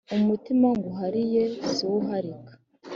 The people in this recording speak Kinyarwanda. umutima nguhariye siwuharika